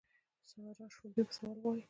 سارا شړومبې په سوال غواړي.